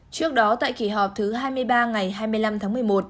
trước đó tại kỳ họp thứ hai mươi ba ngày hai mươi năm tháng một mươi một